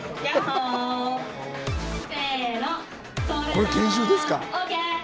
これ、研修ですか？